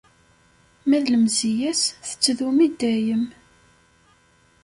Ma d lemziya-s tettdum i dayem.